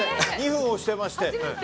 ２分押してまして。